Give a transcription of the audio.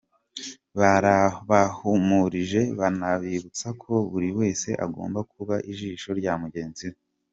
Barabahumurije banabibutsa ko buri wese agomba kuba ijisho rya mugenzi we.